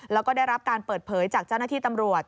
แล้วก็ได้รับการเปิดเผยจากเจ้าหน้าที่ตำรวจ